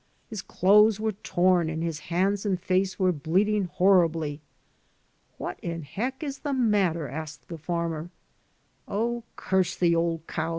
His clothes were torn and his hands and face were bleeding horribly. ^What in heck is the matter? ' asked the farmer. ^ Oh, curse the old cow